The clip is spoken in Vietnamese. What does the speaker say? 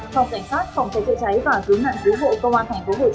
phòng cảnh sát phòng cháy chữa cháy và cứu mạng cứu bộ công an tp hcm